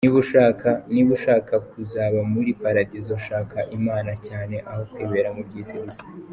Niba ushaka kuzaba muli Paradizo, shaka imana cyane, aho kwibera mu byisi gusa.